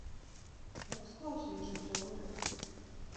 Як склаўся іх жыццёвы лёс?